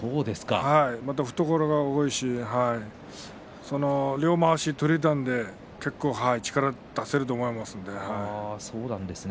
懐が深いですし両まわしを取れたので結構、力が出せると思いますね。